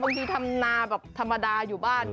บางทีทำหนาแบบธรรมดาอยู่บ้าน